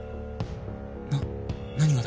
な何がだよ？